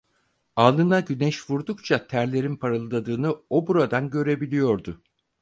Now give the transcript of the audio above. Alnına güneş vurdukça terlerin parıldadığını o buradan görebiliyordu.